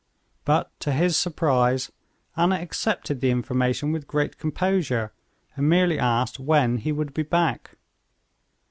But, to his surprise, Anna accepted the information with great composure, and merely asked when he would be back.